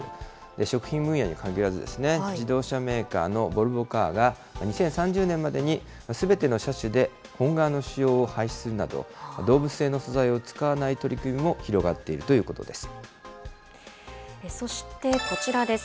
食品分野にかぎらず、自動車メーカーのボルボ・カーが２０３０年までにすべての車種で本革の使用を廃止するなど、動物性の素材を使わない取り組みも広そしてこちらです。